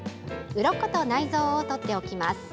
うろこと内臓を取っておきます。